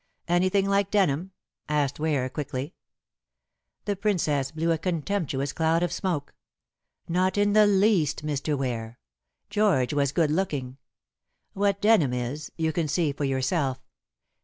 "Anything like Denham?" asked Ware quickly. The Princess blew a contemptuous cloud of smoke. "Not in the least, Mr. Ware. George was good looking. What Denham is, you can see for yourself.